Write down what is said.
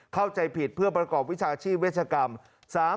เข้าใจผิดเพื่อประกอบวิชาชีพเวชกรรม